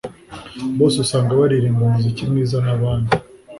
bose usanga baririmba umuziki mwiza n’abandi